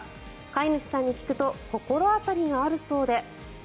飼い主さんに聞くと心当たりがあるそうで。